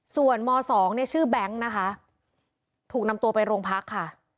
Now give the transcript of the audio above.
ส่วนม๒เนี่ยชื่อแบงค์นะคะถูกนำตัวไปโรงพักค่ะ